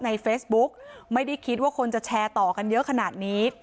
ในเฟซบุ๊กไม่ได้คิดว่าคนจะแชร์ต่อกันเยอะขนาดนี้